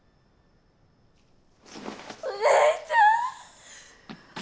お姉ちゃん！